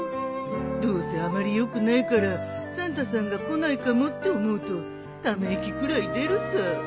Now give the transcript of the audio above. どうせあまりよくないからサンタさんが来ないかもって思うとため息くらい出るさ。